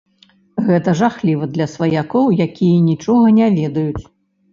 Гэта жахліва для сваякоў, якія нічога не ведаюць.